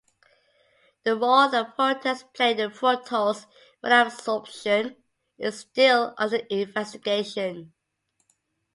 The role that fructans play in fructose malabsorption is still under investigation.